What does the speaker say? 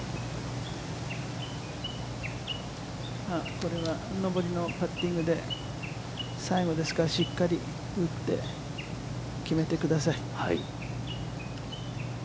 これは上りのパッティングで、最後ですから、しっかり打って決めてください。